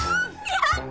やった！